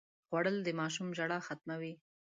خوړل د ماشوم ژړا ختموي